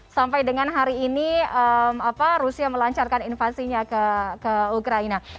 sampai dengan hari ini rusia melancarkan invasinya ke ukraina